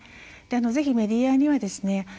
ぜひメディアにはですね